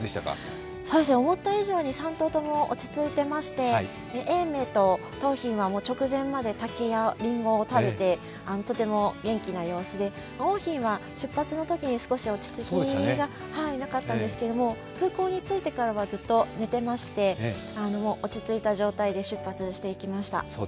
思った以上に３頭とも落ち着いていまして、永明と桃浜は直前まで竹やりんごを食べて、とても元気な様子で桜浜は出発のときに少し落ち着きがなかったんですけれども、空港に着いてからはずっと寝ていまして、落ち着いた状態で出発していきました。